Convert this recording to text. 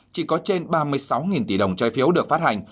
chỉ có trên ba mươi sáu tỷ đồng trái phiếu được phát hành